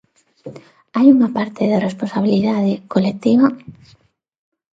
Hai unha parte de responsabilidade colectiva?